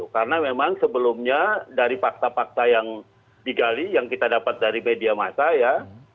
karena memang sebelumnya dari fakta fakta yang digali yang kita dapat dari media masa